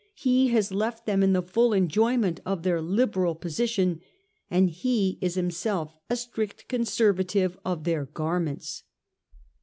He has left them in the full enjoyment of their liberal posi tion, and he is himself a strict conservative of their garments.